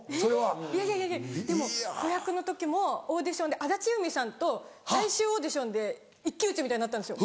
いやいやでも子役の時もオーディションで安達祐実さんと最終オーディションで一騎打ちみたいになったんですよ。